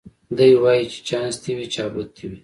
دی وايي چي چانس دي وي چابک دي وي